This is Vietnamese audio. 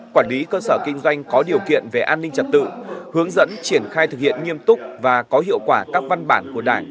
quản lý cơ sở kinh doanh có điều kiện về an ninh trật tự hướng dẫn triển khai thực hiện nghiêm túc và có hiệu quả các văn bản của đảng